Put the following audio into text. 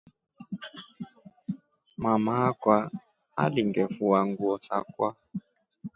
Mama akwa alingefua nguo sakwa.